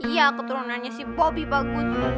iya keturunannya si bobi bagus